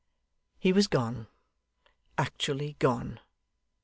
He was gone, actually gone.